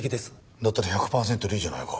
だったら１００パーセントでいいじゃないか。